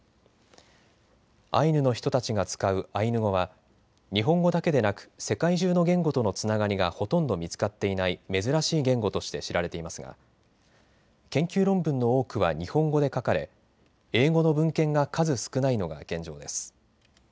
アイヌの人たちが使うアイヌ語は日本語だけでなく世界中の言語とのつながりがほとんど見つかっていない珍しい言語として知られていますが研究論文の多くは日本語で書かれ英語の文献が数少ないのが現状です。